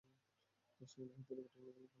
দশ সেকেন্ড হাতে রাখো টেকনিক্যাল কারণ দেখিয়ে।